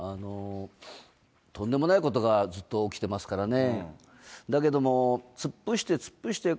とんでもないことがずっと起きてますからね。